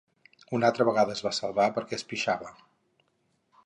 Una altra vegada es va salvar perquè es pixava.